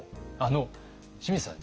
清水さん